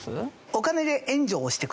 お金で援助をしてくれる。